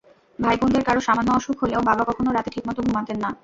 ভাইবোনদের কারও সামান্য অসুখ হলেও বাবা কখনো রাতে ঠিকমতো ঘুমাতেন না।